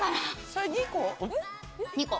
それ２個？